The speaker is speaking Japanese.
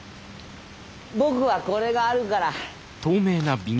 僕はこれがあるから。